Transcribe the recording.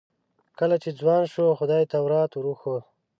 کله چې ځوان شو خدای تورات ور وښود.